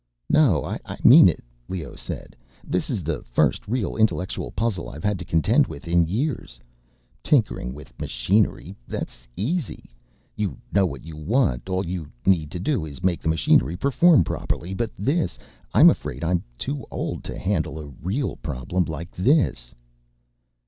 "No, I mean it," Leoh said. "This is the first real intellectual puzzle I've had to contend with in years. Tinkering with machinery ... that's easy. You know what you want, all you need is to make the machinery perform properly. But this ... I'm afraid I'm too old to handle a real problem like this."